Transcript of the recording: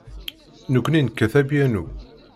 Nekkni nekkat apyanu.